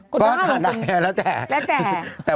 ก็ทานไหนแล้วแต่